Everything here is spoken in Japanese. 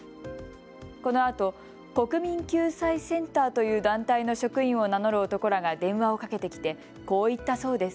このあと国民救済センターという団体の職員を名乗る男らが電話をかけてきてこう言ったそうです。